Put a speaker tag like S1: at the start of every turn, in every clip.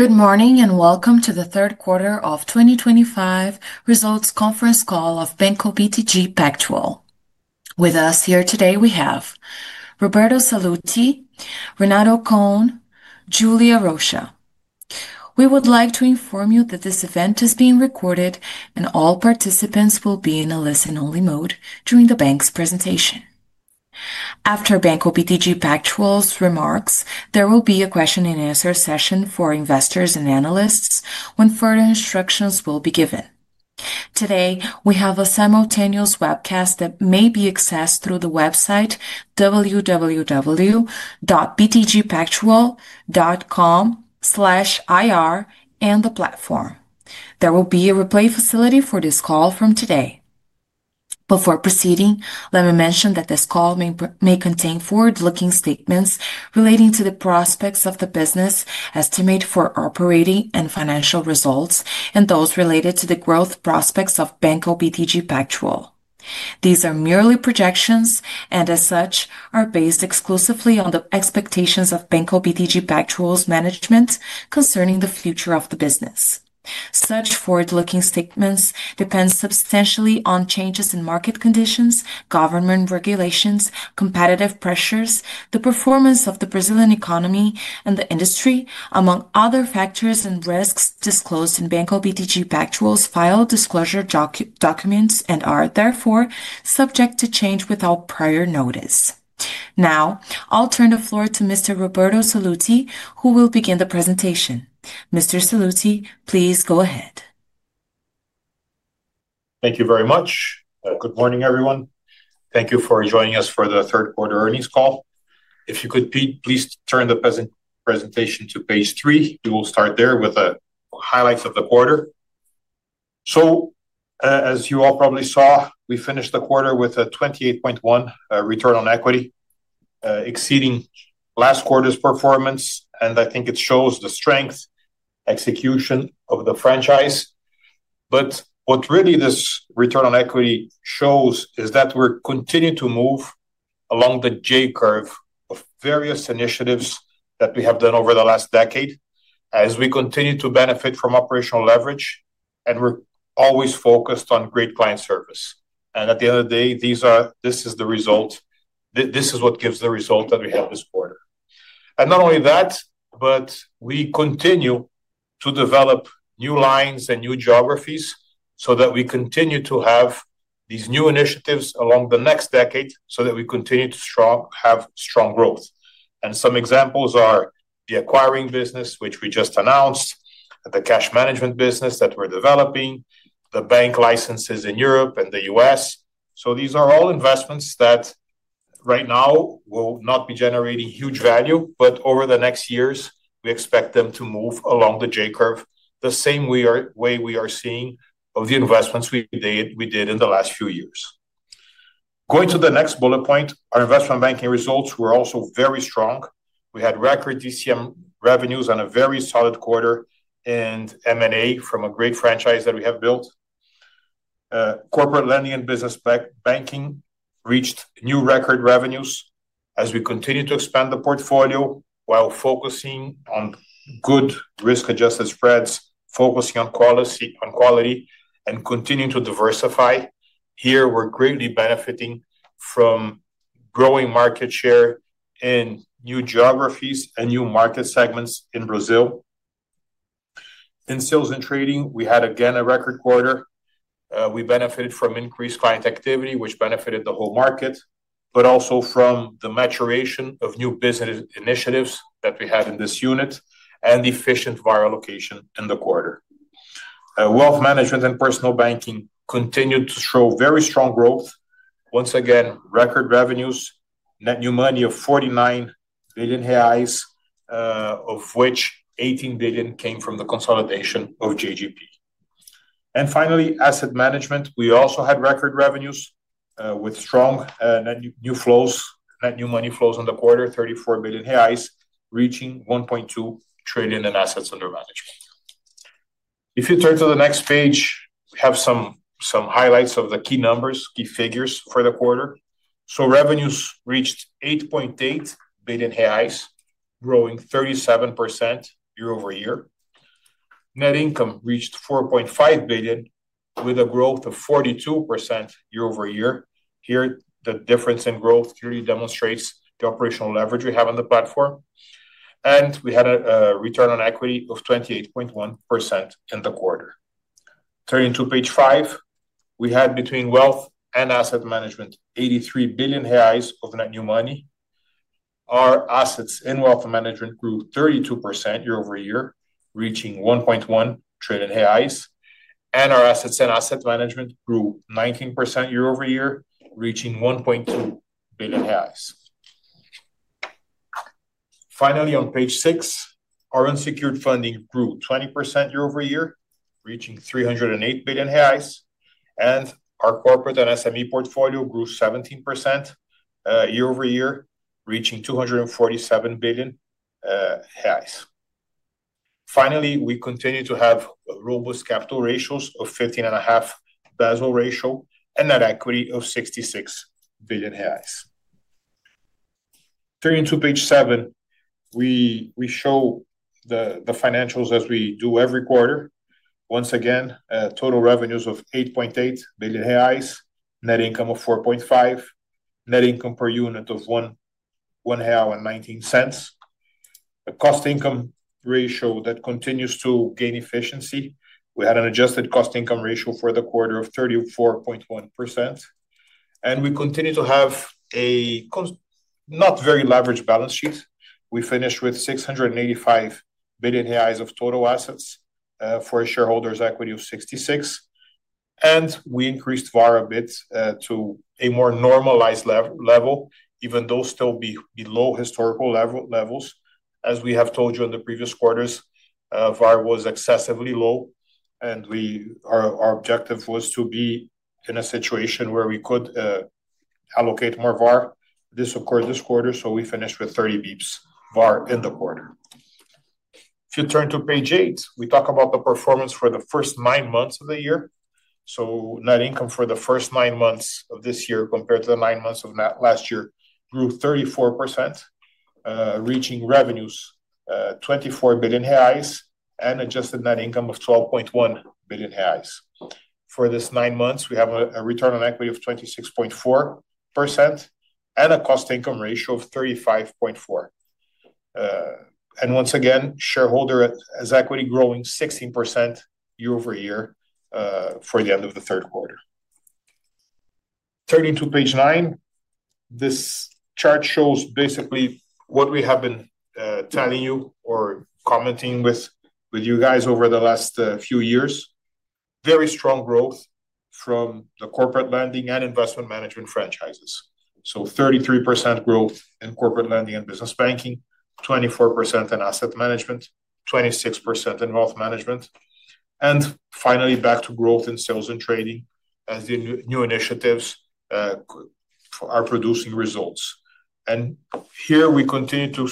S1: Good morning and welcome to the third quarter of 2025 results conference call of Banco BTG Pactual. With us here today we have Roberto Sallouti, Renato Cohn, and Julia Rosa. We would like to inform you that this event is being recorded and all participants will be in a listen-only mode during the bank's presentation. After Banco BTG Pactual's remarks, there will be a question-and-answer session for investors and analysts when further instructions will be given. Today we have a simultaneous webcast that may be accessed through the website www.btgpactual.com/ir and the platform. There will be a replay facility for this call from today. Before proceeding, let me mention that this call may contain forward-looking statements relating to the prospects of the business estimate for operating and financial results and those related to the growth prospects of Banco BTG Pactual. These are merely projections and, as such, are based exclusively on the expectations of Banco BTG Pactual's management concerning the future of the business. Such forward-looking statements depend substantially on changes in market conditions, government regulations, competitive pressures, the performance of the Brazilian economy and the industry, among other factors and risks disclosed in Banco BTG Pactual's final disclosure documents and are, therefore, subject to change without prior notice. Now, I'll turn the floor to Mr. Roberto Sallouti, who will begin the presentation. Mr. Sallouti, please go ahead.
S2: Thank you very much. Good morning, everyone. Thank you for joining us for the third quarter earnings call. If you could, please turn the presentation to page three. We will start there with the highlights of the quarter. As you all probably saw, we finished the quarter with a 28.1% return on equity, exceeding last quarter's performance, and I think it shows the strength and execution of the franchise. What really this return on equity shows is that we're continuing to move along the J curve of various initiatives that we have done over the last decade as we continue to benefit from operational leverage, and we're always focused on great client service. At the end of the day, this is the result. This is what gives the result that we have this quarter. Not only that, but we continue to develop new lines and new geographies so that we continue to have these new initiatives along the next decade so that we continue to have strong growth. Some examples are the acquiring business, which we just announced, the cash management business that we are developing, the bank licenses in Europe and the U.S. These are all investments that right now will not be generating huge value, but over the next years, we expect them to move along the J curve the same way we are seeing of the investments we did in the last few years. Going to the next bullet point, our investment banking results were also very strong. We had record DCM revenues on a very solid quarter and M&A from a great franchise that we have built. Corporate lending and business banking reached new record revenues as we continue to expand the portfolio while focusing on good risk-adjusted spreads, focusing on quality and continuing to diversify. Here, we're greatly benefiting from growing market share in new geographies and new market segments in Brazil. In sales and trading, we had, again, a record quarter. We benefited from increased client activity, which benefited the whole market, but also from the maturation of new business initiatives that we had in this unit and the efficient VAR allocation in the quarter. Wealth management and personal banking continued to show very strong growth. Once again, record revenues, net new money of 49 billion reais, of which 18 billion came from the consolidation of JGP. Finally, asset management, we also had record revenues with strong net new flows, net new money flows in the quarter, 34 billion reais, reaching 1.2 trillion in assets under management. If you turn to the next page, we have some highlights of the key numbers, key figures for the quarter. Revenues reached BRL 8.8 billion, growing 37% year-over-year. Net income reached 4.5 billion, with a growth of 42% year-over-year. Here, the difference in growth clearly demonstrates the operational leverage we have on the platform. We had a return on equity of 28.1% in the quarter. Turning to page five, we had between wealth and asset management, 83 billion reais of net new money. Our assets in wealth management grew 32% year-over-year, reaching 1.1 trillion reais, and our assets in asset management grew 19% year-over-year, reaching BRL 1.2 trillion. Finally, on page six, our unsecured funding grew 20% year-over-year, reaching 308 billion reais, and our corporate and SME portfolio grew 17% year-over-year, reaching BRL 247 billion. Finally, we continue to have robust capital ratios of 15.5% Basel ratio and net equity of 66 billion reais. Turning to page seven, we show the financials as we do every quarter. Once again, total revenues of 8.8 billion reais, net income of 4.5 billion, net income per unit of 1.19 real. The cost income ratio that continues to gain efficiency. We had an adjusted cost income ratio for the quarter of 34.1%. We continue to have a not very leveraged balance sheet. We finished with 685 billion reais of total assets for a shareholders' equity of 66 billion. We increased VAR a bit to a more normalized level, even though still below historical levels. As we have told you in the previous quarters, VAR was excessively low, and our objective was to be in a situation where we could allocate more VAR. This occurred this quarter, so we finished with 30 bps VAR in the quarter. If you turn to page eight, we talk about the performance for the first nine months of the year. Net income for the first nine months of this year compared to the nine months of last year grew 34%, reaching revenues 24 billion reais and adjusted net income of 12.1 billion reais. For these nine months, we have a return on equity of 26.4% and a cost income ratio of 35.4%. Once again, shareholder's equity growing 16% year-over-year for the end of the third quarter. Turning to page nine, this chart shows basically what we have been telling you or commenting with you guys over the last few years. Very strong growth from the corporate lending and investment management franchises. So 33% growth in corporate lending and business banking, 24% in asset management, 26% in wealth management. Finally, back to growth in sales and trading as the new initiatives are producing results. Here, we continue to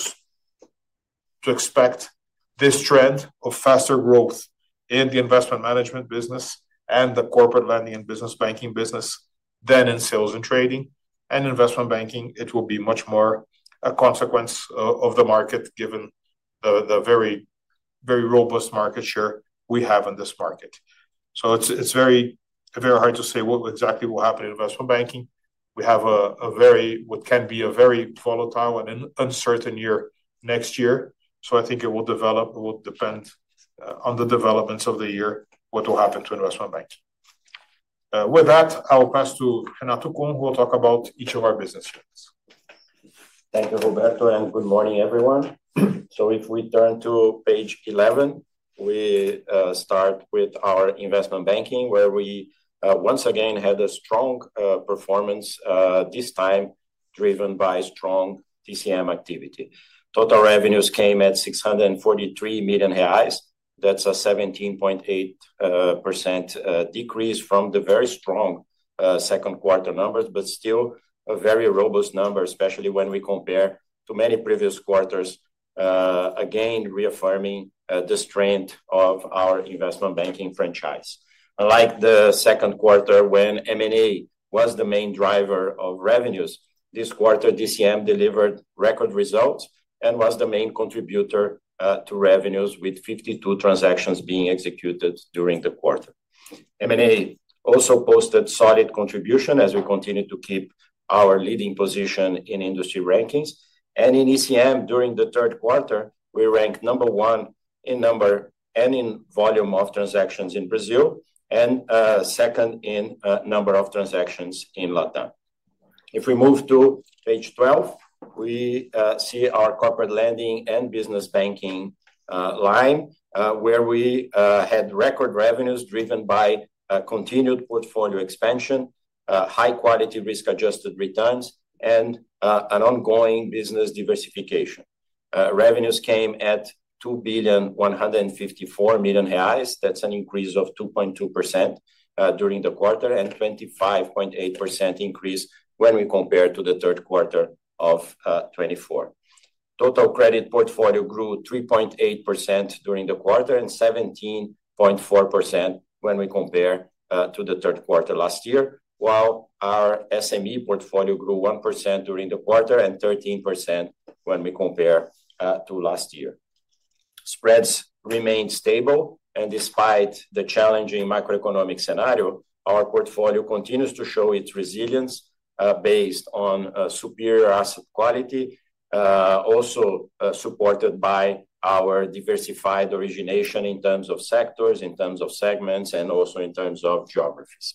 S2: expect this trend of faster growth in the investment management business and the corporate lending and business banking business than in sales and trading. Investment banking, it will be much more a consequence of the market given the very robust market share we have in this market. It is very hard to say exactly what will happen in investment banking. We have what can be a very volatile and uncertain year next year. I think it will develop. It will depend on the developments of the year what will happen to investment banking. With that, I'll pass to Renato Cohn, who will talk about each of our business units.
S3: Thank you, Roberto, and good morning, everyone. If we turn to page 11, we start with our investment banking, where we once again had a strong performance, this time driven by strong DCM activity. Total revenues came at 643 million reais. That's a 17.8% decrease from the very strong second quarter numbers, but still a very robust number, especially when we compare to many previous quarters, again reaffirming the strength of our investment banking franchise. Unlike the second quarter, when M&A was the main driver of revenues, this quarter DCM delivered record results and was the main contributor to revenues with 52 transactions being executed during the quarter. M&A also posted solid contribution as we continue to keep our leading position in industry rankings. In ECM, during the third quarter, we ranked number one in number and in volume of transactions in Brazil and second in number of transactions in LATAM. If we move to page 12, we see our corporate lending and business banking line, where we had record revenues driven by continued portfolio expansion, high-quality risk-adjusted returns, and an ongoing business diversification. Revenues came at 2.154 million reais. That is an increase of 2.2% during the quarter and a 25.8% increase when we compare to the third quarter of 2024. Total credit portfolio grew 3.8% during the quarter and 17.4% when we compare to the third quarter last year, while our SME portfolio grew 1% during the quarter and 13% when we compare to last year. Spreads remained stable, and despite the challenging macroeconomic scenario, our portfolio continues to show its resilience based on superior asset quality, also supported by our diversified origination in terms of sectors, in terms of segments, and also in terms of geographies.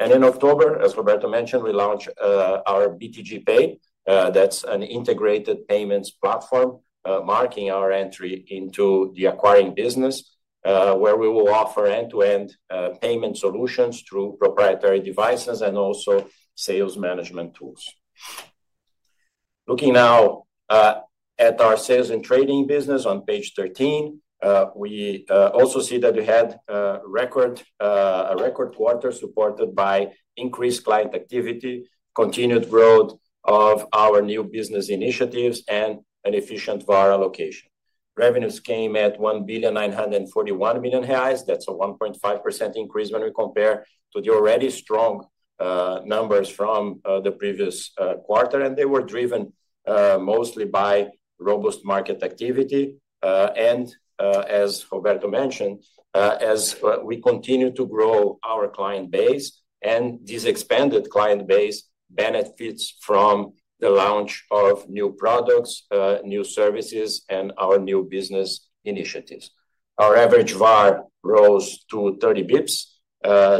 S3: In October, as Roberto mentioned, we launched our BTG Pay. That is an integrated payments platform marking our entry into the acquiring business, where we will offer end-to-end payment solutions through proprietary devices and also sales management tools. Looking now at our sales and trading business on page 13, we also see that we had a record quarter supported by increased client activity, continued growth of our new business initiatives, and an efficient VAR allocation. Revenues came at 1.941 million reais. That is a 1.5% increase when we compare to the already strong numbers from the previous quarter. They were driven mostly by robust market activity. As Roberto mentioned, as we continue to grow our client base, this expanded client base benefits from the launch of new products, new services, and our new business initiatives. Our average VAR rose to 30 bps,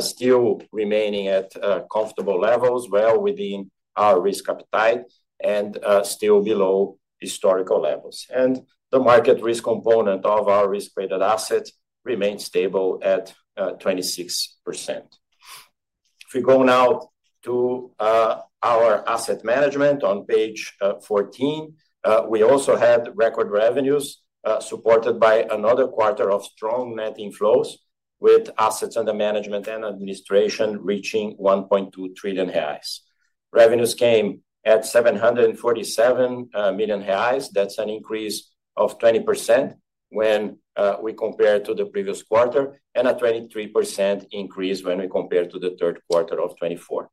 S3: still remaining at comfortable levels, well within our risk appetite and still below historical levels. The market risk component of our risk-weighted assets remained stable at 26%. If we go now to our asset management on page 14, we also had record revenues supported by another quarter of strong net inflows with assets under management and administration reaching 1.2 trillion reais. Revenues came at 747 million reais. That is an increase of 20% when we compare to the previous quarter and a 23% increase when we compare to the third quarter of 2024.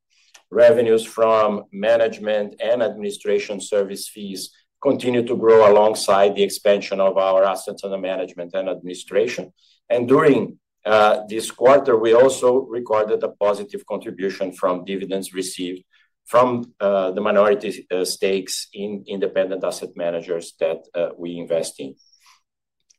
S3: Revenues from management and administration service fees continue to grow alongside the expansion of our assets under management and administration. During this quarter, we also recorded a positive contribution from dividends received from the minority stakes in independent asset managers that we invest in.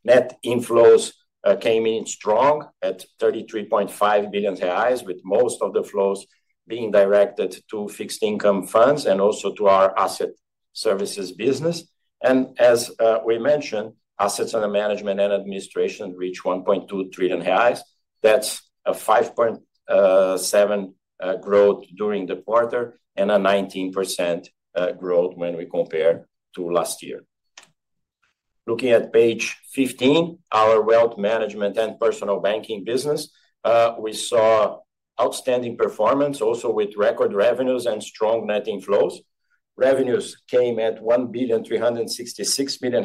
S3: Net inflows came in strong at 33.5 billion reais, with most of the flows being directed to fixed income funds and also to our asset services business. As we mentioned, assets under management and administration reached 1.2 trillion reais. That is a 5.7% growth during the quarter and a 19% growth when we compare to last year. Looking at page 15, our wealth management and personal banking business, we saw outstanding performance also with record revenues and strong net inflows. Revenues came at 1.366 billion,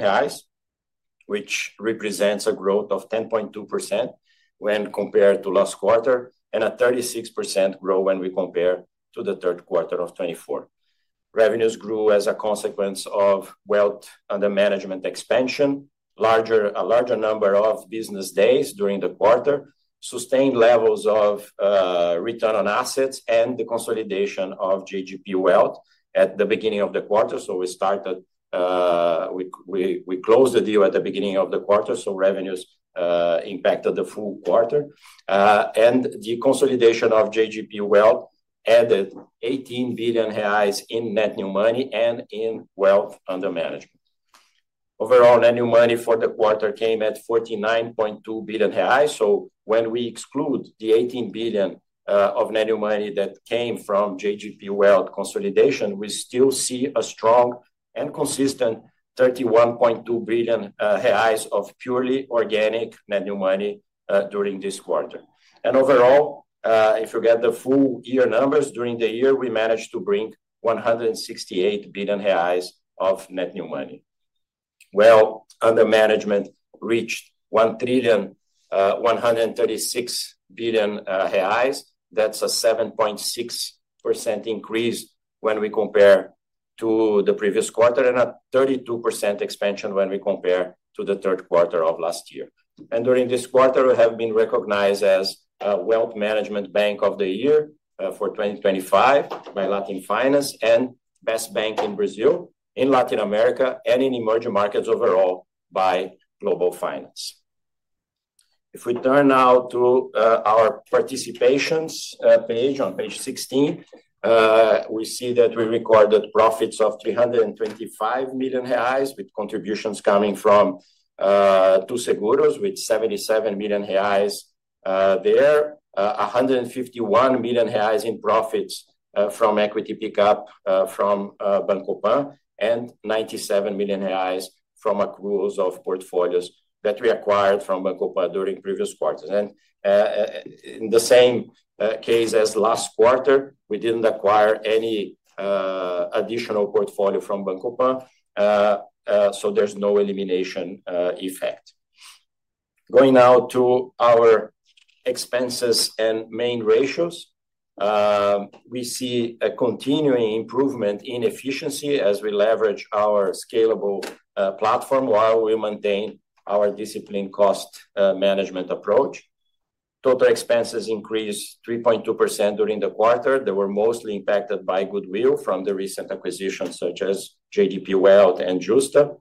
S3: which represents a growth of 10.2% when compared to last quarter and a 36% growth when we compare to the third quarter of 2024. Revenues grew as a consequence of wealth under management expansion, a larger number of business days during the quarter, sustained levels of return on assets, and the consolidation of JGP Wealth at the beginning of the quarter. We closed the deal at the beginning of the quarter, so revenues impacted the full quarter. The consolidation of JGP Wealth added 18 billion reais in net new money and in wealth under management. Overall, net new money for the quarter came at 49.2 billion reais. When we exclude the 18 billion of net new money that came from JGP Wealth consolidation, we still see a strong and consistent 31.2 billion reais of purely organic net new money during this quarter. Overall, if you get the full year numbers during the year, we managed to bring 168 billion reais of net new money. Wealth under management reached 1.136 trillion. That's a 7.6% increase when we compare to the previous quarter and a 32% expansion when we compare to the third quarter of last year. During this quarter, we have been recognized as a Wealth Management Bank of the Year for 2025 by Latin Finance and Best Bank in Brazil, in Latin America, and in emerging markets overall by Global Finance. If we turn now to our participations page on page 16, we see that we recorded profits of 325 million reais with contributions coming from TuSeguros with 77 million reais there, 151 million reais in profits from equity pickup from Banco PAN, and 97 million reais from accruals of portfolios that we acquired from Banco PAN during previous quarters. In the same case as last quarter, we didn't acquire any additional portfolio from Banco PAN, so there's no elimination effect. Going now to our expenses and main ratios, we see a continuing improvement in efficiency as we leverage our scalable platform while we maintain our disciplined cost management approach. Total expenses increased 3.2% during the quarter. They were mostly impacted by goodwill from the recent acquisitions such as JGP Wealth and Justa.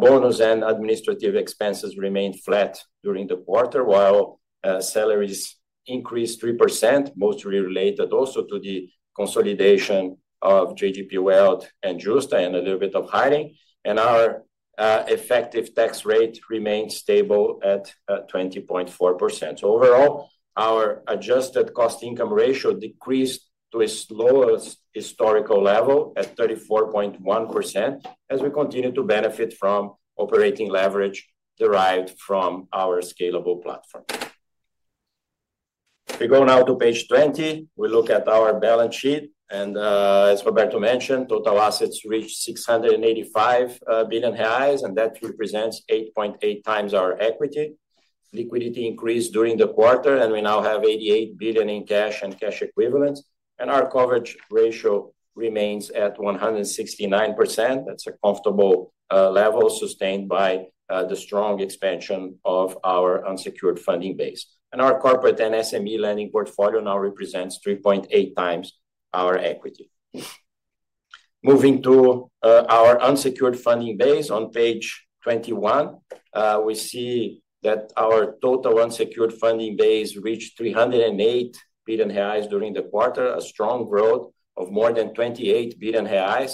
S3: Bonus and administrative expenses remained flat during the quarter, while salaries increased 3%, mostly related also to the consolidation of JGP Wealth and Justa and a little bit of hiring. Our effective tax rate remained stable at 20.4%. Overall, our adjusted cost income ratio decreased to its lowest historical level at 34.1% as we continue to benefit from operating leverage derived from our scalable platform. If we go now to page 20, we look at our balance sheet. As Roberto mentioned, total assets reached 685 billion reais, and that represents 8.8x our equity. Liquidity increased during the quarter, and we now have 88 billion in cash and cash equivalents. Our coverage ratio remains at 169%. That is a comfortable level sustained by the strong expansion of our unsecured funding base. Our corporate and SME lending portfolio now represents 3.8x our equity. Moving to our unsecured funding base, on page 21, we see that our total unsecured funding base reached 308 billion reais during the quarter, a strong growth of more than 28 billion reais,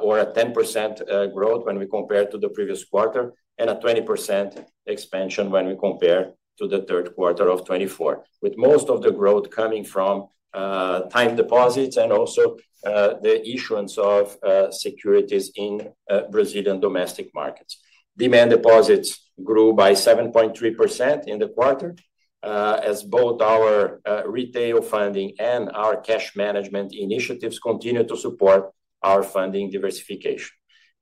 S3: or a 10% growth when we compare to the previous quarter, and a 20% expansion when we compare to the third quarter of 2024, with most of the growth coming from time deposits and also the issuance of securities in Brazilian domestic markets. Demand deposits grew by 7.3% in the quarter as both our retail funding and our cash management initiatives continue to support our funding diversification.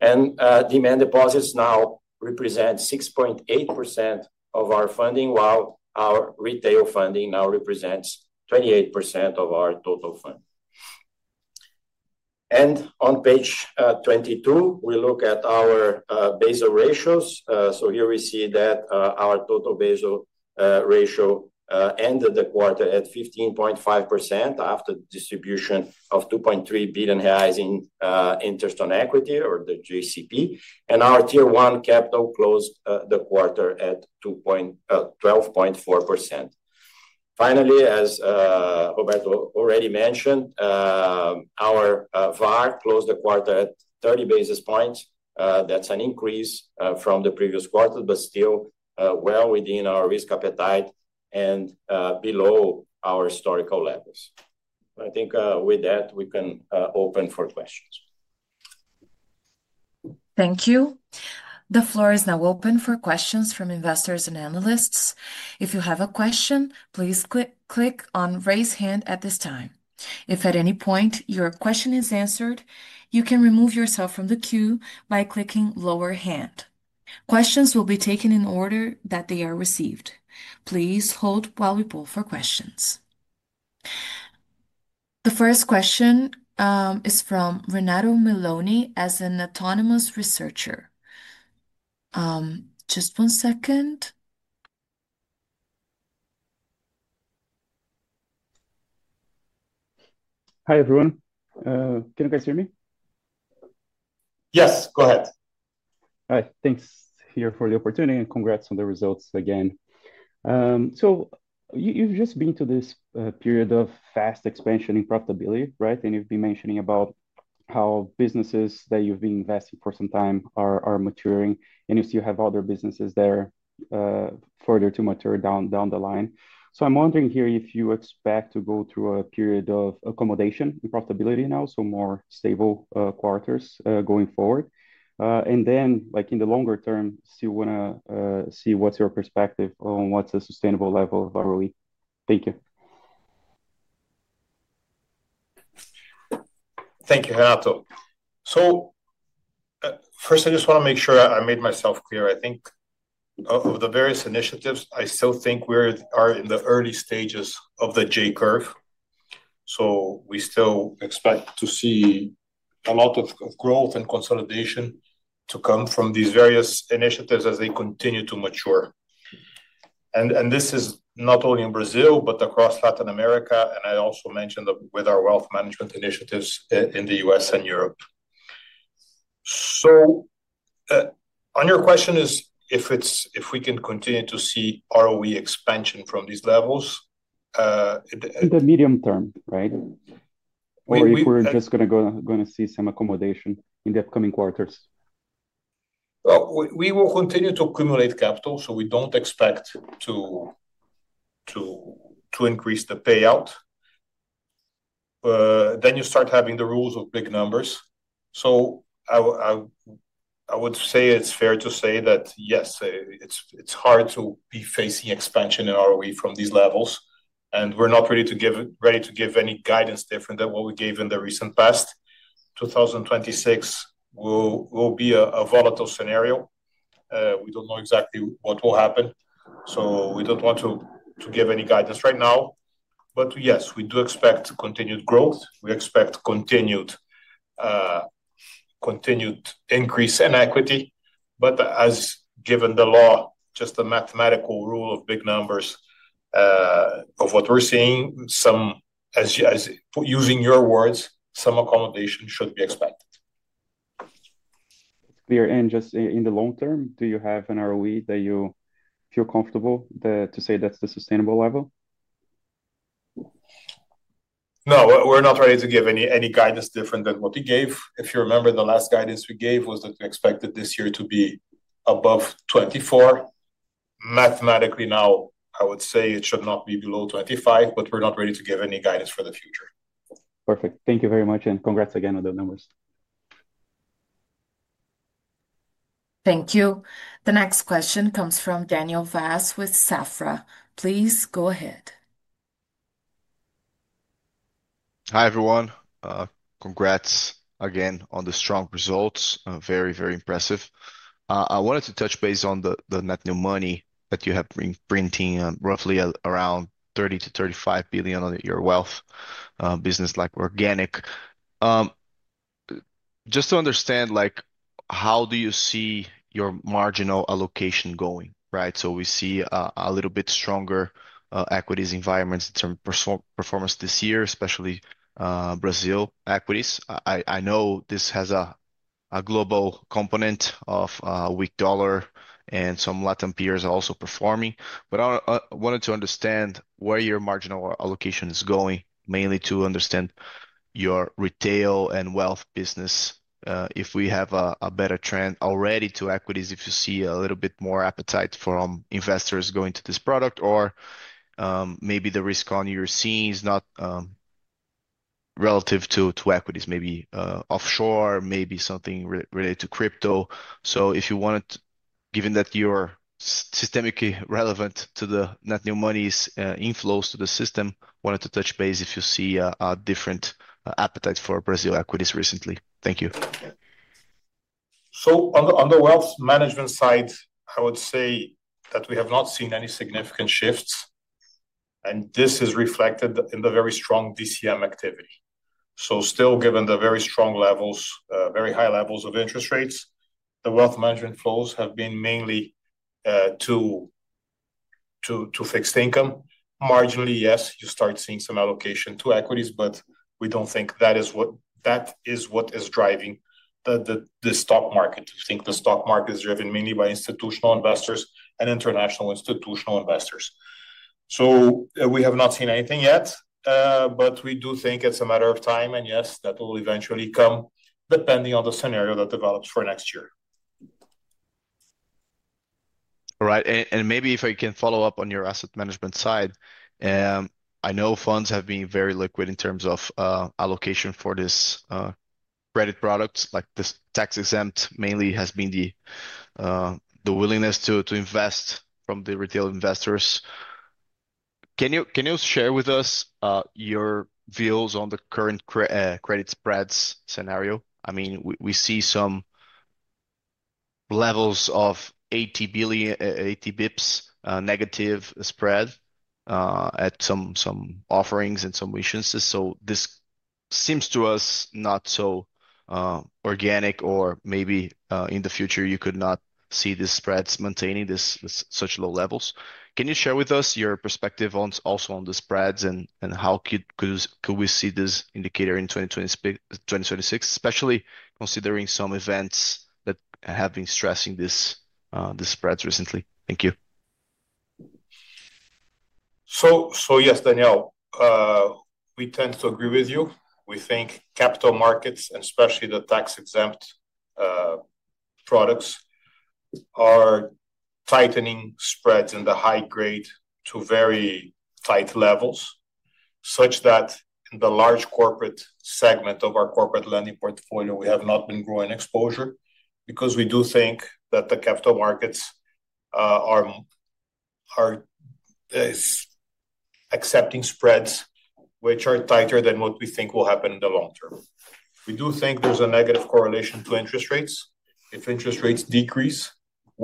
S3: Demand deposits now represent 6.8% of our funding, while our retail funding now represents 28% of our total fund. On page 22, we look at our Basel ratios. Here we see that our total Basel ratio ended the quarter at 15.5% after distribution of 2.3 billion in interest on equity, or the JCP. Our tier 1 capital closed the quarter at 12.4%. Finally, as Roberto already mentioned, our VAR closed the quarter at 30 basis points. That is an increase from the previous quarter, but still well within our risk appetite and below our historical levels. I think with that, we can open for questions.
S1: Thank you. The floor is now open for questions from investors and analysts. If you have a question, please click on raise hand at this time. If at any point your question is answered, you can remove yourself from the queue by clicking lower hand. Questions will be taken in order that they are received. Please hold while we pull for questions. The first question is from Renato Meloni as an autonomous researcher. Just one second.
S4: Hi everyone. Can you guys hear me?
S2: Yes, go ahead.
S4: All right, thanks here for the opportunity and congrats on the results again. You have just been to this period of fast expansion in profitability, right? You have been mentioning about how businesses that you have been investing for some time are maturing, and you still have other businesses there further to mature down the line. I am wondering here if you expect to go through a period of accommodation in profitability now, so more stable quarters going forward. In the longer term, still want to see what is your perspective on what is a sustainable level of ROE. Thank you.
S2: Thank you, Renato. First, I just want to make sure I made myself clear. I think of the various initiatives, I still think we are in the early stages of the J curve. We still expect to see a lot of growth and consolidation to come from these various initiatives as they continue to mature. This is not only in Brazil, but across Latin America. I also mentioned with our wealth management initiatives in the U.S. and Europe. On your question, if we can continue to see ROE expansion from these levels.
S4: In the medium term, right? Or if we are just going to see some accommodation in the upcoming quarters.
S3: We will continue to accumulate capital, so we do not expect to increase the payout. You start having the rules of big numbers. I would say it is fair to say that yes, it is hard to be facing expansion in ROE from these levels. We are not ready to give any guidance different than what we gave in the recent past. 2026 will be a volatile scenario. We do not know exactly what will happen. We do not want to give any guidance right now. Yes, we do expect continued growth. We expect continued increase in equity. As given the law, just a mathematical rule of big numbers of what we are seeing, using your words, some accommodation should be expected.
S4: Clear and just in the long term, do you have an ROE that you feel comfortable to say that is the sustainable level?
S2: No, we're not ready to give any guidance different than what we gave. If you remember, the last guidance we gave was that we expected this year to be above 2024. Mathematically, now I would say it should not be below 2025, but we're not ready to give any guidance for the future.
S4: Perfect. Thank you very much. And congrats again on the numbers.
S1: Thank you. The next question comes from Daniel Vas with Safra. Please go ahead.
S5: Hi everyone. Congrats again on the strong results. Very, very impressive. I wanted to touch base on the net new money that you have been printing, roughly around 30 billion-BRL35 billion on your wealth business like organic. Just to understand, how do you see your marginal allocation going, right? So we see a little bit stronger equities environments in terms of performance this year, especially Brazil equities. I know this has a global component of a weak dollar, and some Latin peers are also performing. I wanted to understand where your marginal allocation is going, mainly to understand your retail and wealth business. If we have a better trend already to equities, if you see a little bit more appetite from investors going to this product, or maybe the risk on your scenes not relative to equities, maybe offshore, maybe something related to crypto. If you wanted, given that you're systemically relevant to the net new money's inflows to the system, wanted to touch base if you see a different appetite for Brazil equities recently. Thank you.
S2: On the wealth management side, I would say that we have not seen any significant shifts. This is reflected in the very strong DCM activity. Still, given the very strong levels, very high levels of interest rates, the wealth management flows have been mainly to fixed income. Marginally, yes, you start seeing some allocation to equities, but we do not think that is what is driving the stock market. I think the stock market is driven mainly by institutional investors and international institutional investors. We have not seen anything yet, but we do think it is a matter of time. Yes, that will eventually come depending on the scenario that develops for next year.
S5: All right. Maybe if I can follow up on your asset management side, I know funds have been very liquid in terms of allocation for this credit product. Like this tax-exempt mainly has been the willingness to invest from the retail investors. Can you share with us your views on the current credit spreads scenario? I mean, we see some levels of 80 bps negative spread at some offerings and some issuances. This seems to us not so organic, or maybe in the future you could not see these spreads maintaining such low levels. Can you share with us your perspective also on the spreads and how could we see this indicator in 2026, especially considering some events that have been stressing these spreads recently? Thank you.
S2: Yes, Daniel, we tend to agree with you. We think capital markets, and especially the tax-exempt products, are tightening spreads in the high grade to very tight levels, such that in the large corporate segment of our corporate lending portfolio, we have not been growing exposure because we do think that the capital markets are accepting spreads which are tighter than what we think will happen in the long term. We do think there's a negative correlation to interest rates. If interest rates decrease,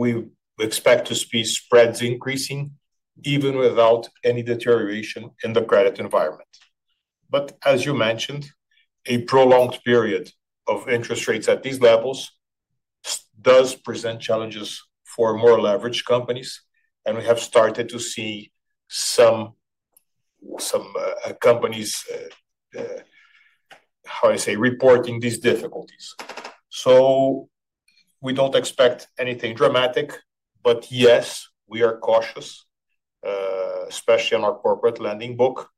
S2: we expect to see spreads increasing even without any deterioration in the credit environment. As you mentioned, a prolonged period of interest rates at these levels does present challenges for more leveraged companies. We have started to see some companies, how do I say, reporting these difficulties. We do not expect anything dramatic, but yes, we are cautious, especially on our corporate lending book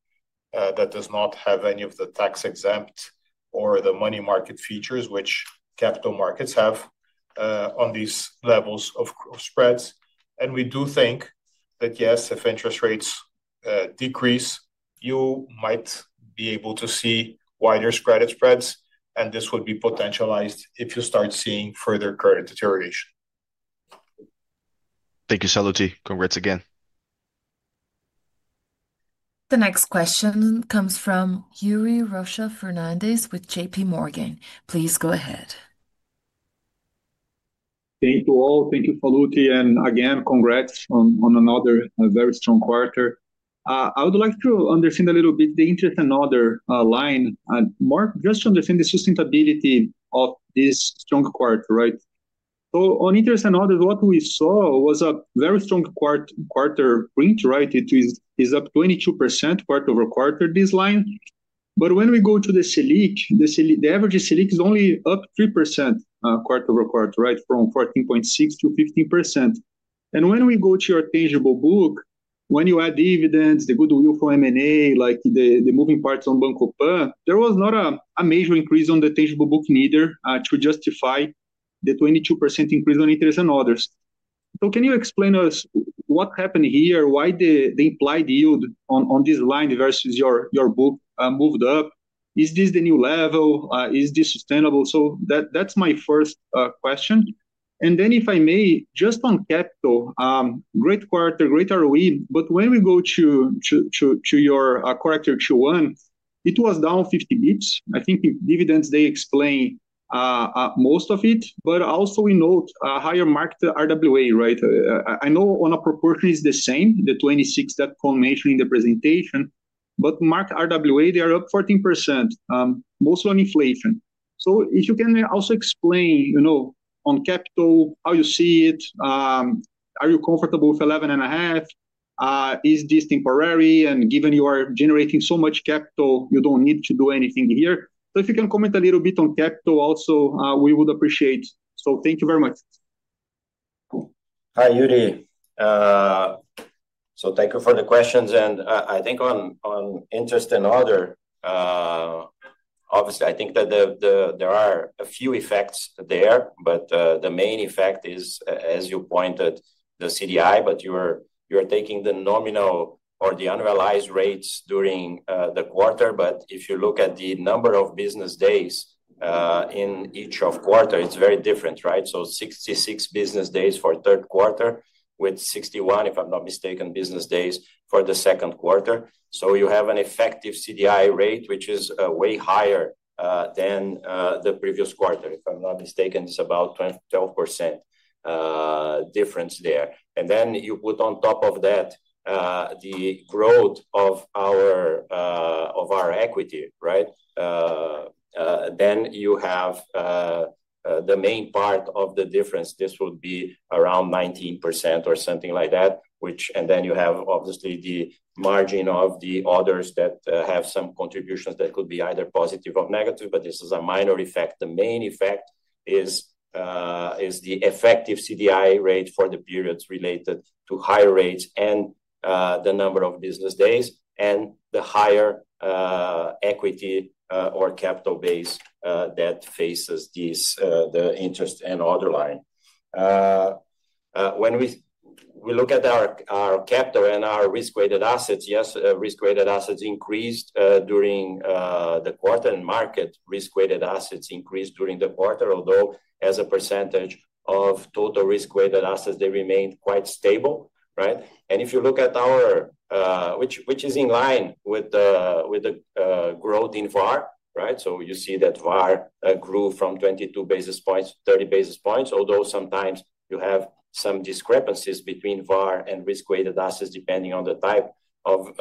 S2: that does not have any of the tax-exempt or the money market features which capital markets have on these levels of spreads. We do think that yes, if interest rates decrease, you might be able to see wider spreads, and this would be potentialized if you start seeing further credit deterioration.
S5: Thank you, Sallouti. Congrats again.
S1: The next question comes from Yuri Rosa Fernandez with JPMorgan. Please go ahead.
S6: Thank you all. Thank you, Sallouti. Again, congrats on another very strong quarter. I would like to understand a little bit the interest and other line, just to understand the sustainability of this strong quarter, right? On interest and others, what we saw was a very strong quarter print, right? It is up 22% quarter over quarter this line. When we go to the SELIC, the average SELIC is only up 3% quarter-over-quarter, right, from 14.6% to 15%. When we go to your tangible book, when you add the evidence, the goodwill from M&A, like the moving parts on Banco PAN, there was not a major increase on the tangible book neither to justify the 22% increase on interest and others. Can you explain to us what happened here, why the implied yield on this line versus your book moved up? Is this the new level? Is this sustainable? That is my first question. If I may, just on capital, great quarter, great ROE, but when we go to your quarter Q1, it was down 50 bps. I think dividends, they explain most of it, but also we note a higher marked RWA, right? I know on a proportion it is the same, the 26% that Cohn mentioned in the presentation, but marked RWA, they are up 14%, mostly on inflation. If you can also explain on capital, how you see it, are you comfortable with 11.5%? Is this temporary? Given you are generating so much capital, you do not need to do anything here. If you can comment a little bit on capital, also we would appreciate it. Thank you very much.
S3: Hi, Yuri. Thank you for the questions. I think on interest and other, obviously, I think that there are a few effects there, but the main effect is, as you pointed, the CDI, but you are taking the nominal or the unrealized rates during the quarter. If you look at the number of business days in each of quarters, it is very different, right? Sixty-six business days for third quarter with sixty-one, if I am not mistaken, business days for the second quarter. You have an effective CDI rate, which is way higher than the previous quarter. If I am not mistaken, it is about 12% difference there. Then you put on top of that the growth of our equity, right? You have the main part of the difference. This would be around 19% or something like that, which, and then you have obviously the margin of the others that have some contributions that could be either positive or negative, but this is a minor effect. The main effect is the effective CDI rate for the periods related to high rates and the number of business days and the higher equity or capital base that faces the interest and other line. When we look at our capital and our risk-weighted assets, yes, risk-weighted assets increased during the quarter and market risk-weighted assets increased during the quarter, although as a percentage of total risk-weighted assets, they remained quite stable, right? If you look at our, which is in line with the growth in VAR, right? You see that VAR grew from 22 basis points to 30 basis points, although sometimes you have some discrepancies between VAR and risk-weighted assets depending on the type of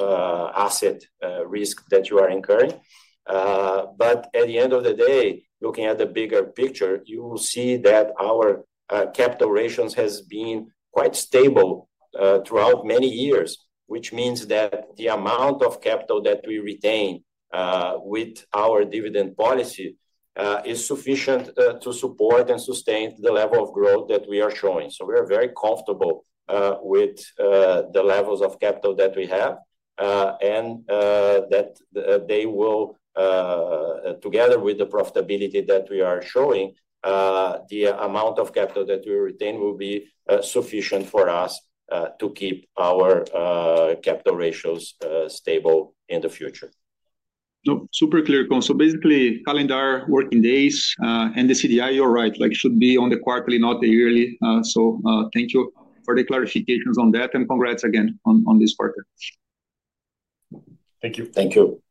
S3: asset risk that you are incurring. At the end of the day, looking at the bigger picture, you will see that our capital ratio has been quite stable throughout many years, which means that the amount of capital that we retain with our dividend policy is sufficient to support and sustain the level of growth that we are showing. We are very comfortable with the levels of capital that we have and that they will, together with the profitability that we are showing, the amount of capital that we retain will be sufficient for us to keep our capital ratios stable in the future.
S6: Super clear, Cohn. Basically, calendar working days and the CDI, you're right, like should be on the quarterly, not the yearly. Thank you for the clarifications on that and congrats again on this quarter. Thank you.
S3: Thank you.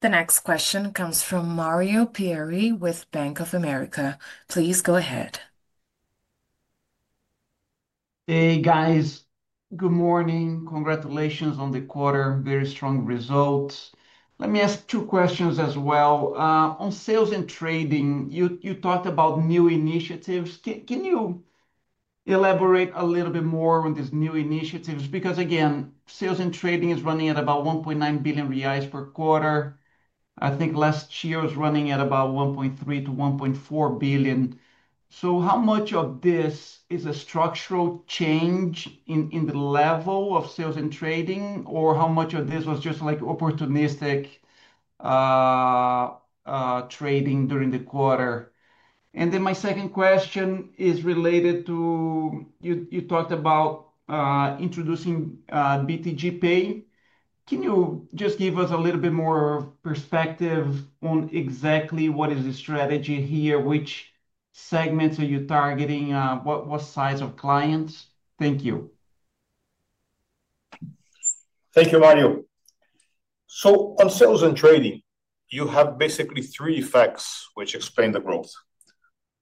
S1: The next question comes from Mario Pieri with Bank of America. Please go ahead.
S7: Hey, guys. Good morning. Congratulations on the quarter. Very strong results. Let me ask two questions as well. On sales and trading, you talked about new initiatives. Can you elaborate a little bit more on these new initiatives? Because again, sales and trading is running at about 1.9 billion reais per quarter. I think last year was running at about 1.3 billion-1.4 billion. How much of this is a structural change in the level of sales and trading, or how much of this was just like opportunistic trading during the quarter? Then my second question is related to you talked about introducing BTG Pay. Can you just give us a little bit more perspective on exactly what is the strategy here, which segments are you targeting, what size of clients? Thank you.
S2: Thank you, Mario. On sales and trading, you have basically three facts which explain the growth.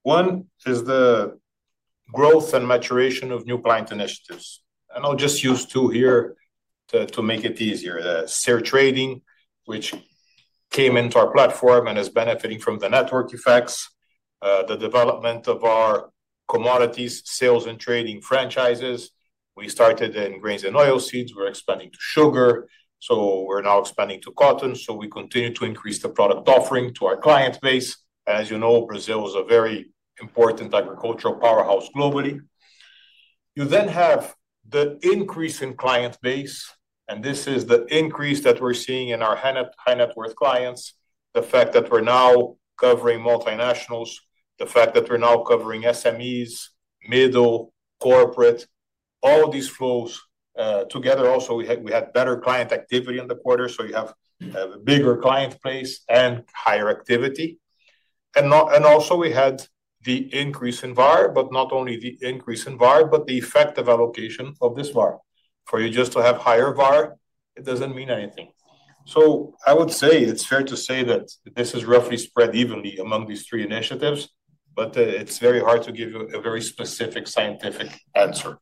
S2: One is the growth and maturation of new client initiatives. I'll just use two here to make it easier. Share trading, which came into our platform and is benefiting from the network effects, the development of our commodities sales and trading franchises. We started in grains and oil seeds. We are expanding to sugar. We are now expanding to cotton. We continue to increase the product offering to our client base. As you know, Brazil is a very important agricultural powerhouse globally. You then have the increase in client base, and this is the increase that we're seeing in our high net worth clients, the fact that we're now covering multinationals, the fact that we're now covering SMEs, middle, corporate, all these flows together. Also, we had better client activity in the quarter, so you have a bigger client base and higher activity. Also, we had the increase in VAR, but not only the increase in VAR, but the effective allocation of this VAR. For you just to have higher VAR, it does not mean anything. I would say it is fair to say that this is roughly spread evenly among these three initiatives, but it is very hard to give you a very specific scientific answer.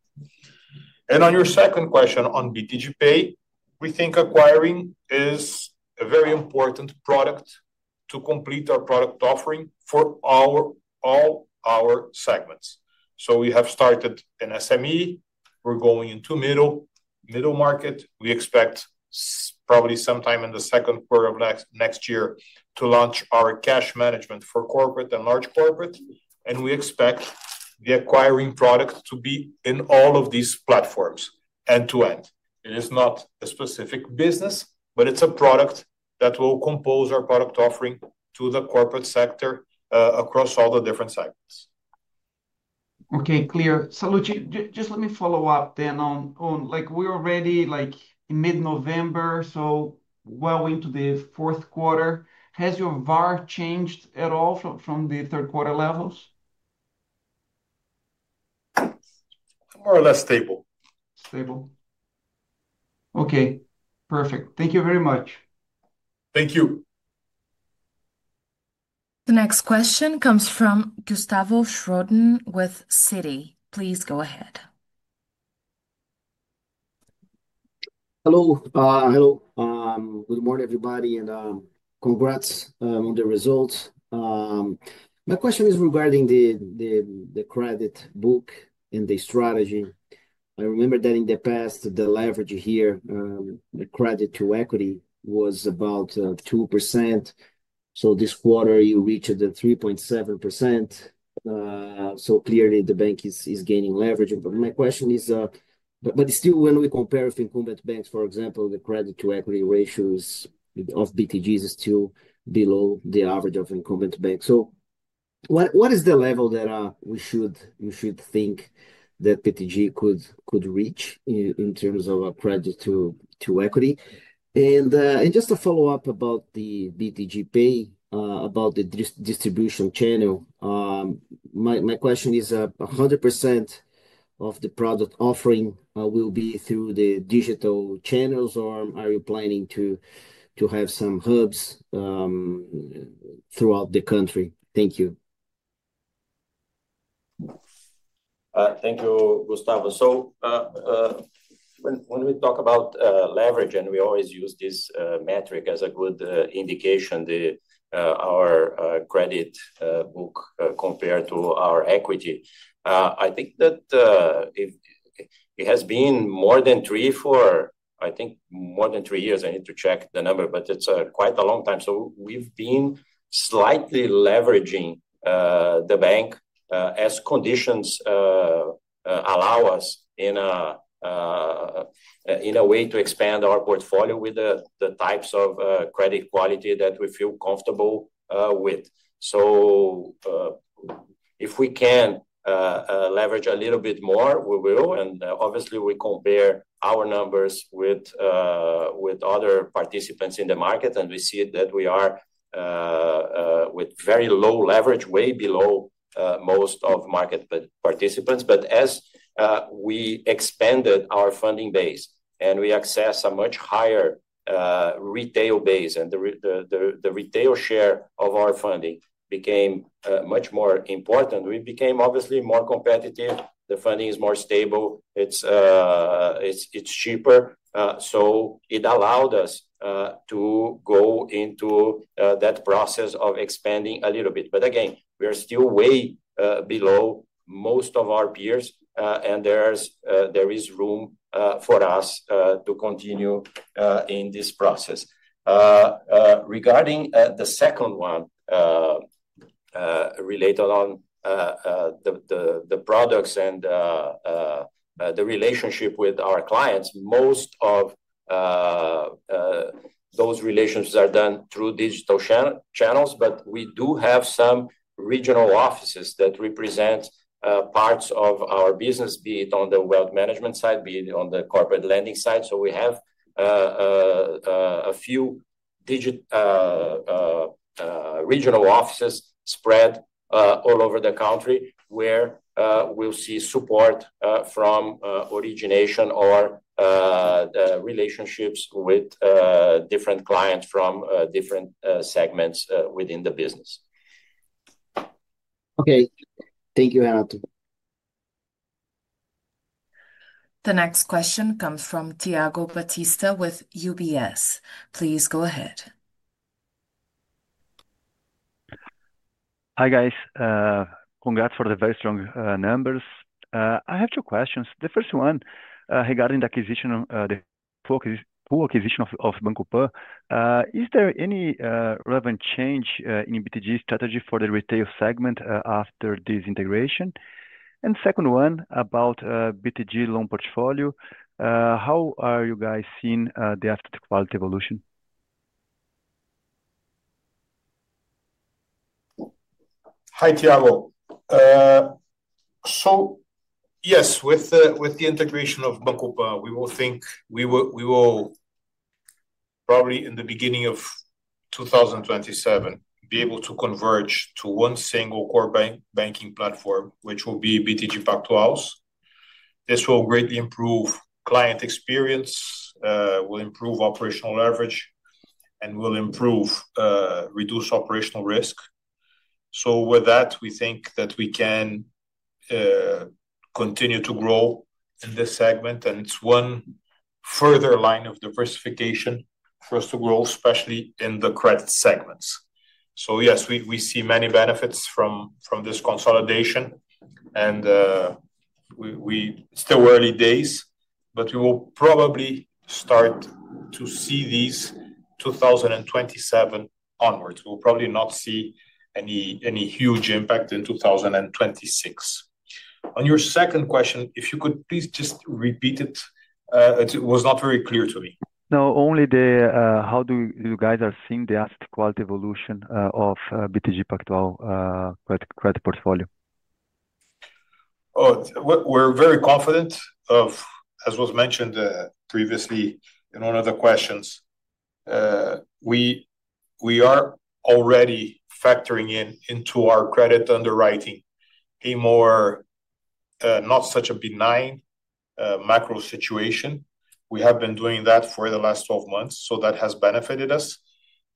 S2: On your second question on BTG Pay, we think acquiring is a very important product to complete our product offering for all our segments. We have started an SME. We are going into middle market. We expect probably sometime in the second quarter of next year to launch our cash management for corporate and large corporate. We expect the acquiring product to be in all of these platforms end to end. It is not a specific business, but it is a product that will compose our product offering to the corporate sector across all the different segments.
S7: Okay, clear. Sallouti, just let me follow up then on, we are already in mid-November, so well into the fourth quarter. Has your VAR changed at all from the third quarter levels? More or less stable. Stable. Okay. Perfect. Thank you very much.
S2: Thank you.
S1: The next question comes from Gustavo Schroden with Citi. Please go ahead.
S8: Hello. Hello. Good morning, everybody. And congrats on the results. My question is regarding the credit book and the strategy. I remember that in the past, the leverage here, the credit to equity was about 2%. This quarter, you reached the 3.7%. Clearly, the bank is gaining leverage. My question is, still, when we compare with incumbent banks, for example, the credit to equity ratios of BTG's is still below the average of incumbent banks. What is the level that you should think that BTG could reach in terms of credit to equity? Just to follow up about the BTG Pay, about the distribution channel, my question is, 100% of the product offering will be through the digital channels, or are you planning to have some hubs throughout the country? Thank you.
S2: Thank you, Gustavo. When we talk about leverage, and we always use this metric as a good indication, our credit book compared to our equity, I think that it has been more than three for, I think, more than three years. I need to check the number, but it is quite a long time. We have been slightly leveraging the bank as conditions allow us in a way to expand our portfolio with the types of credit quality that we feel comfortable with. If we can leverage a little bit more, we will. Obviously, we compare our numbers with other participants in the market, and we see that we are with very low leverage, way below most of market participants. As we expanded our funding base and we access a much higher retail base and the retail share of our funding became much more important, we became obviously more competitive. The funding is more stable. It is cheaper. It allowed us to go into that process of expanding a little bit. Again, we are still way below most of our peers, and there is room for us to continue in this process. Regarding the second one related to the products and the relationship with our clients, most of those relations are done through digital channels, but we do have some regional offices that represent parts of our business, be it on the wealth management side, be it on the corporate lending side. We have a few regional offices spread all over the country where we will see support from origination or relationships with different clients from different segments within the business.
S8: Okay. Thank you, Roberto.
S1: The next question comes from Thiago Batista with UBS. Please go ahead.
S9: Hi, guys. Congrats for the very strong numbers. I have two questions. The first one regarding the acquisition, the poor acquisition of Banco PAN. Is there any relevant change in BTG strategy for the retail segment after this integration? The second one about BTG loan portfolio. How are you guys seeing the asset quality evolution?
S2: Hi, Thiago. Yes, with the integration of Banco Pan, we think we will probably in the beginning of 2027 be able to converge to one single core banking platform, which will be BTG Pactual's. This will greatly improve client experience, will improve operational leverage, and will reduce operational risk. With that, we think that we can continue to grow in this segment, and it is one further line of diversification for us to grow, especially in the credit segments. Yes, we see many benefits from this consolidation, and we still are early days, but we will probably start to see these 2027 onwards. We'll probably not see any huge impact in 2026. On your second question, if you could please just repeat it. It was not very clear to me.
S9: No, only how do you guys are seeing the asset quality evolution of BTG Pactual credit portfolio?
S2: Oh, we're very confident of, as was mentioned previously in one of the questions, we are already factoring into our credit underwriting a more not such a benign macro situation. We have been doing that for the last 12 months, so that has benefited us.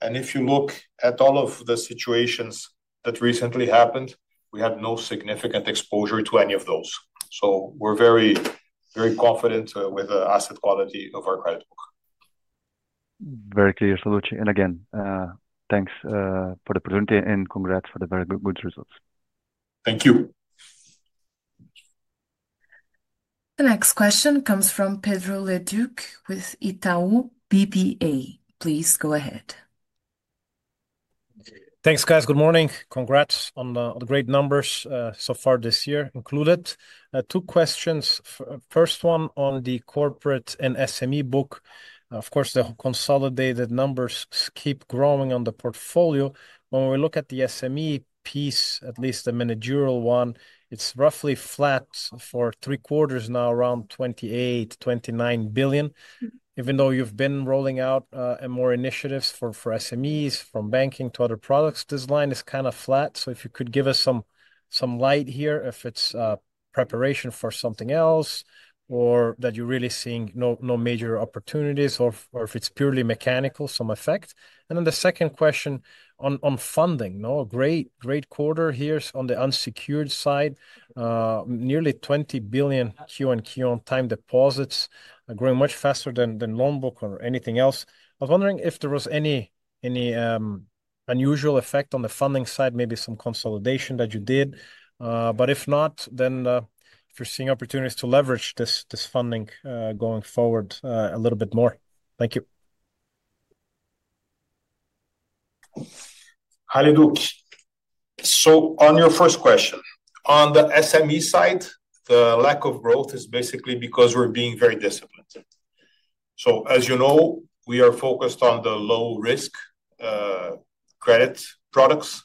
S2: And if you look at all of the situations that recently happened, we have no significant exposure to any of those. We are very confident with the asset quality of our credit book.
S9: Very clear, Sallouti. And again, thanks for the opportunity and congrats for the very good results.
S2: Thank you.
S1: The next question comes from Pedro Le Duc with Itaú BBA. Please go ahead.
S10: Thanks, guys. Good morning. Congrats on the great numbers so far this year included. Two questions. First one on the corporate and SME book. Of course, the consolidated numbers keep growing on the portfolio. When we look at the SME piece, at least the managerial one, it is roughly flat for three quarters now, around 28 billion-29 billion. Even though you have been rolling out more initiatives for SMEs, from banking to other products, this line is kind of flat. If you could give us some light here if it is preparation for something else or that you are really seeing no major opportunities or if it is purely mechanical, some effect. The second question on funding, a great quarter here on the unsecured side, nearly 20 billion QoQ on time deposits, growing much faster than loan book or anything else. I was wondering if there was any unusual effect on the funding side, maybe some consolidation that you did. If not, then if you're seeing opportunities to leverage this funding going forward a little bit more. Thank you.
S2: Hi Duc. On your first question, on the SME side, the lack of growth is basically because we're being very disciplined. As you know, we are focused on the low-risk credit products,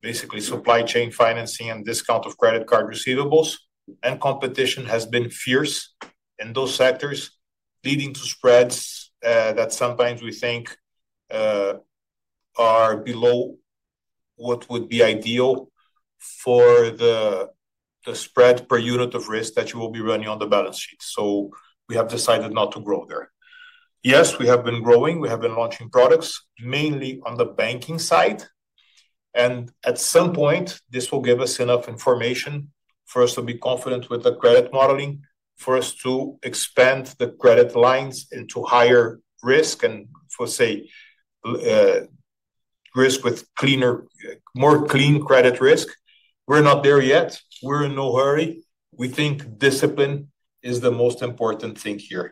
S2: basically supply chain financing and discount of credit card receivables. Competition has been fierce in those sectors, leading to spreads that sometimes we think are below what would be ideal for the spread per unit of risk that you will be running on the balance sheet. We have decided not to grow there. Yes, we have been growing. We have been launching products mainly on the banking side. At some point, this will give us enough information for us to be confident with the credit modeling for us to expand the credit lines into higher risk and for, say, risk with more clean credit risk. We're not there yet. We're in no hurry. We think discipline is the most important thing here.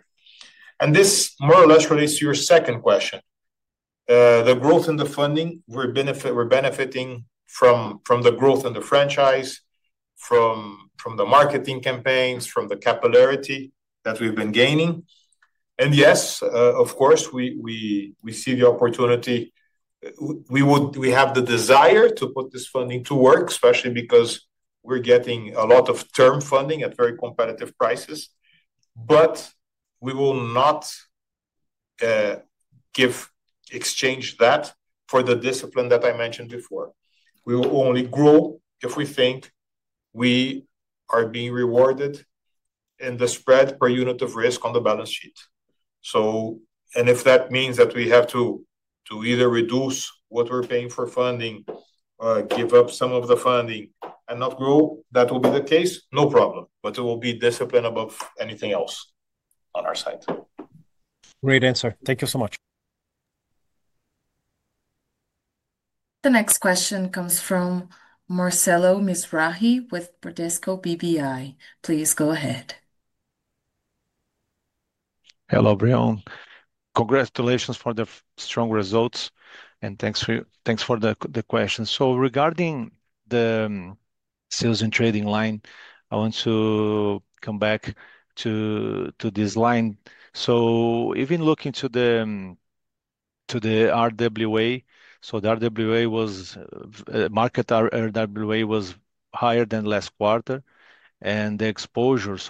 S2: This more or less relates to your second question. The growth in the funding, we're benefiting from the growth in the franchise, from the marketing campaigns, from the capillarity that we've been gaining. Yes, of course, we see the opportunity. We have the desire to put this funding to work, especially because we're getting a lot of term funding at very competitive prices. We will not exchange that for the discipline that I mentioned before. We will only grow if we think we are being rewarded in the spread per unit of risk on the balance sheet. If that means that we have to either reduce what we're paying for funding, give up some of the funding, and not grow, that will be the case, no problem. It will be discipline above anything else on our side.
S10: Great answer. Thank you so much.
S1: The next question comes from Marcelo Mizrahi with Bradesco BBI. Please go ahead.
S11: Hello, Roberto. Congratulations for the strong results. And thanks for the question. Regarding the sales and trading line, I want to come back to this line. Even looking to the RWA, the RWA was market RWA was higher than last quarter. The exposure, this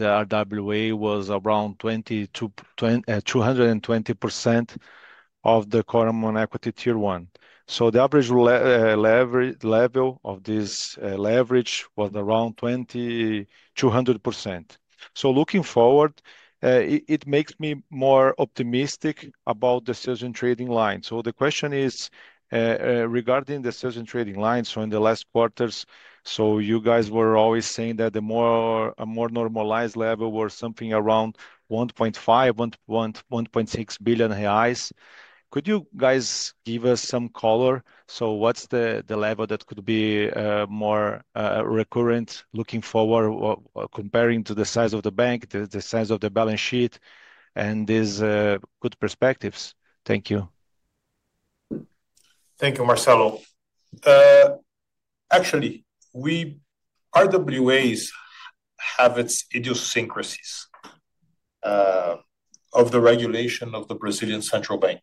S11: RWA was around 220% of the core equity tier 1. The average level of this leverage was around 200%. Looking forward, it makes me more optimistic about the sales and trading line. The question is regarding the sales and trading line. In the last quarters, you guys were always saying that a more normalized level was something around 1.5 billion-1.6 billion reais. Could you guys give us some color? What's the level that could be more recurrent looking forward comparing to the size of the bank, the size of the balance sheet, and these good perspectives? Thank you.
S2: Thank you, Marcelo. Actually, RWAs have its idiosyncrasies of the regulation of the Brazilian central bank.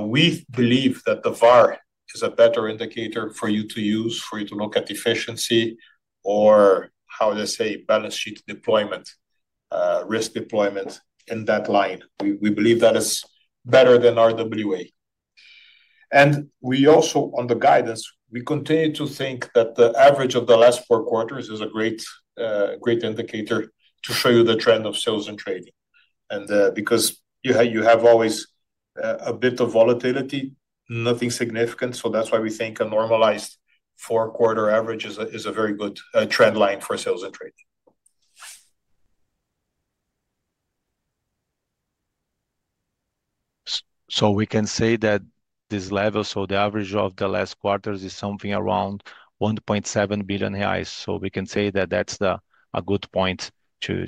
S2: We believe that the VAR is a better indicator for you to use, for you to look at efficiency or, how do they say, balance sheet deployment, risk deployment in that line. We believe that is better than RWA. We also, on the guidance, we continue to think that the average of the last four quarters is a great indicator to show you the trend of sales and trading. Because you have always a bit of volatility, nothing significant. That is why we think a normalized four-quarter average is a very good trend line for sales and trading.
S11: We can say that this level, the average of the last quarters, is something around 1.7 billion reais. We can say that that is a good point to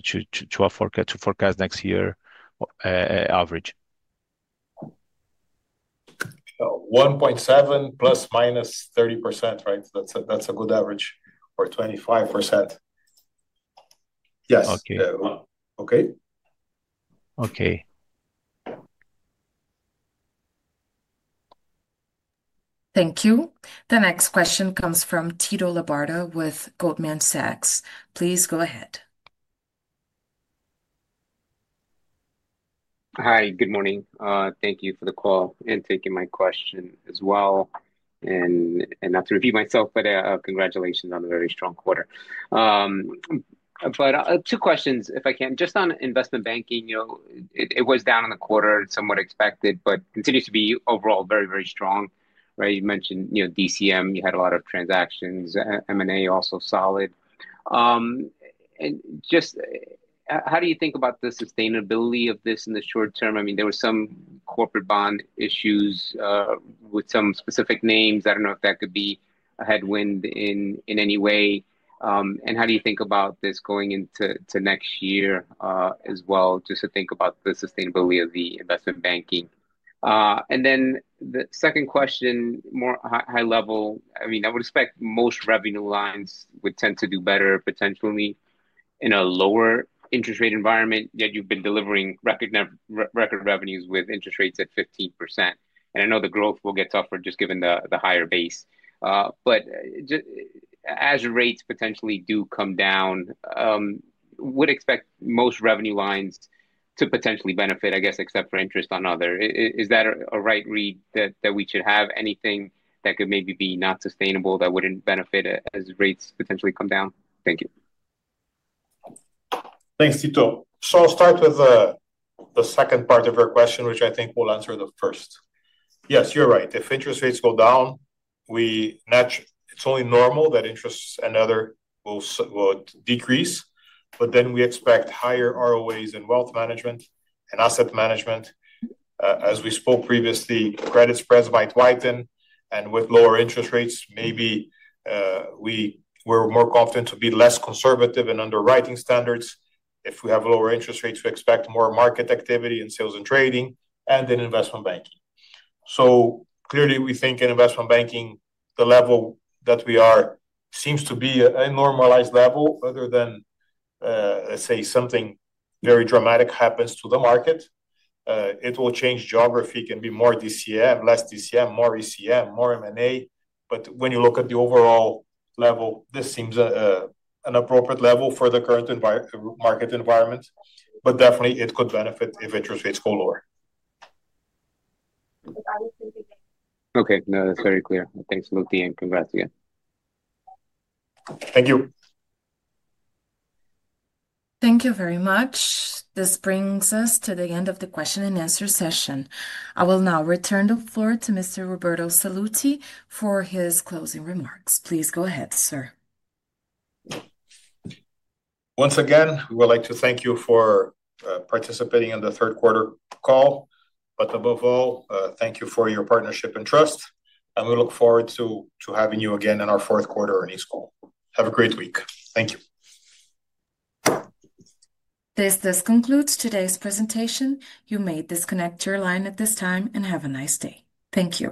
S11: forecast next year average.
S2: 1.7% ± 30%, right? That is a good average or 25%. Yes. Okay.
S11: Okay.
S1: Thank you. The next question comes from Tito Lubarta with Goldman Sachs. Please go ahead.
S12: Hi, good morning. Thank you for the call and taking my question as well. Not to repeat myself, but congratulations on a very strong quarter. Two questions, if I can. Just on investment banking, it was down in the quarter, somewhat expected, but continues to be overall very, very strong. You mentioned DCM, you had a lot of transactions, M&A also solid. How do you think about the sustainability of this in the short term? I mean, there were some corporate bond issues with some specific names. I do not know if that could be a headwind in any way. How do you think about this going into next year as well, just to think about the sustainability of the investment banking? The second question, more high level, I mean, I would expect most revenue lines would tend to do better potentially in a lower interest rate environment. Yet you have been delivering record revenues with interest rates at 15%. I know the growth will get tougher just given the higher base. As rates potentially do come down, would expect most revenue lines to potentially benefit, I guess, except for interest on other. Is that a right read that we should have? Anything that could maybe be not sustainable that would not benefit as rates potentially come down? Thank you.
S3: Thanks, Tito. I will start with the second part of your question, which I think will answer the first. Yes, you are right. If interest rates go down, it's only normal that interest and other will decrease. But then we expect higher ROAs in wealth management and asset management. As we spoke previously, credit spreads might widen. And with lower interest rates, maybe we're more confident to be less conservative in underwriting standards. If we have lower interest rates, we expect more market activity in sales and trading and in investment banking. Clearly, we think in investment banking, the level that we are seems to be a normalized level other than, let's say, something very dramatic happens to the market. It will change geography. It can be more DCM, less DCM, more ECM, more M&A. When you look at the overall level, this seems an appropriate level for the current market environment. Definitely, it could benefit if interest rates go lower.
S12: Okay. No, that's very clear. Thanks, Sallouti, and congrats again.
S2: Thank you.
S1: Thank you very much. This brings us to the end of the question and answer session. I will now return the floor to Mr. Roberto Sallouti for his closing remarks. Please go ahead, sir.
S2: Once again, we would like to thank you for participating in the third quarter call. Above all, thank you for your partnership and trust. We look forward to having you again in our fourth quarter earnings call. Have a great week. Thank you.
S1: This does conclude today's presentation. You may disconnect your line at this time and have a nice day. Thank you.